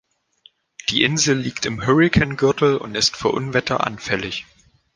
Die Insel liegt im Hurrikangürtel und ist für Unwetter anfällig.